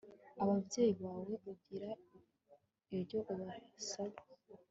ababyeyi bawe ugira icyo ubasaba